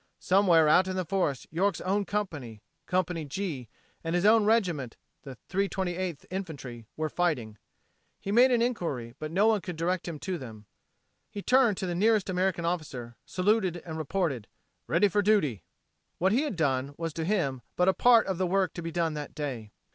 Somewhere out in the forest York's own company Company G and his own regiment the 328th Infantry were fighting. He made inquiry, but no one could direct him to them. He turned to the nearest American officer, saluted and reported, "Ready for duty." What he had done was to him but a part of the work to be done that day.